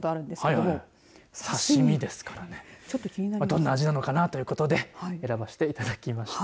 どんな味なのかなということで選ばせていただきました。